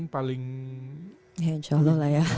paling ya insya allah lah ya